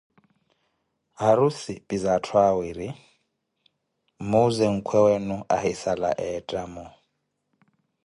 Harussi pizaa atthu awiri, mwimuuze nkwewenu ahisala eettamo.